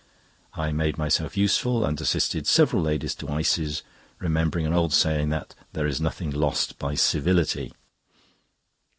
I made myself useful, and assisted several ladies to ices, remembering an old saying that "There is nothing lost by civility."